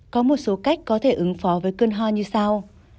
có một số cách có thể ứng phó với cơn ho như sau